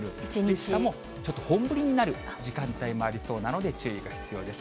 しかもちょっと本降りになる時間帯もありそうなので、注意が必要です。